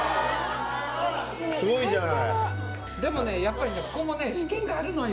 すごいじゃない。